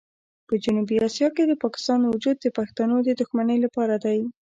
په جنوبي اسیا کې د پاکستان وجود د پښتنو د دښمنۍ لپاره دی.